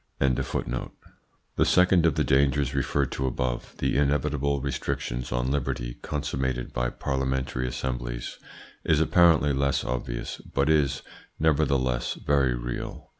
The second of the dangers referred to above the inevitable restrictions on liberty consummated by parliamentary assemblies is apparently less obvious, but is, nevertheless, very real.